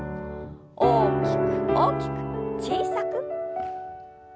大きく大きく小さく。